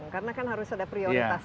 karena kan harus ada prioritas juga